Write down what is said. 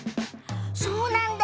そうなんだ！